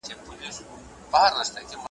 زما له قامه څخه هیري افسانې کړې د قرنونو `